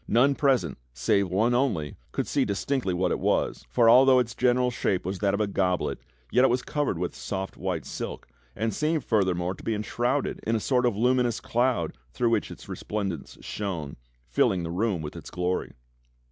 None present, save one only, could see dis tinctly what it was, for although its general shape was that of a Goblet, yet it was covered with soft white silk, and seemed further more to be enshrouded in a sort of luminous cloud through which its resplendence shone, filling the room with its glory.